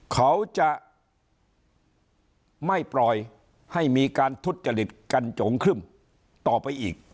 เขาจะไม่ปล่อยให้มีการทุจริตกันจงครึ่มต่อไปอีก